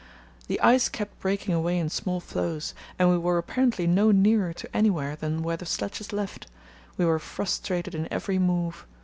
"The ice kept breaking away in small floes, and we were apparently no nearer to anywhere than when the sledges left; we were frustrated in every move.